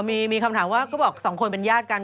มีคำถามว่าก็บอกสองคนเป็นญาติกัน